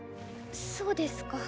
そうですか。